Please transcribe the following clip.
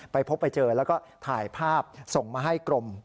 ไปพบไปเจอแล้วก็ถ่ายภาพส่งมาให้กรม